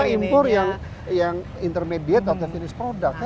kita impor yang intermediate atau finished product kan